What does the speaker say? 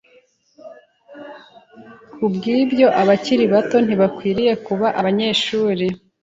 Kubwibyo abakiri bato ntibakwiriye kuba abanyeshuri